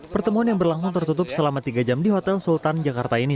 pertemuan yang berlangsung tertutup selama tiga jam di hotel sultan jakarta ini